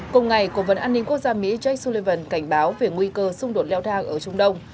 cùng ngày cổ vấn an ninh quốc gia mỹ jake sullivan cảnh báo về nguy cơ xung đột leo thang ở trung đông